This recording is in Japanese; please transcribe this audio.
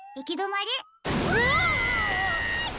うわ！